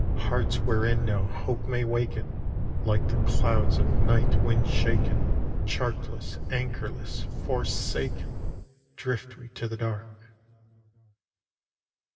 Hearts wherein no hope may waken, Like the clouds of night wind shaken, Chartless, anchorless, forsaken, Drift we to the dark.